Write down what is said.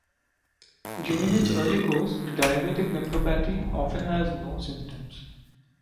During its early course, diabetic nephropathy often has no symptoms.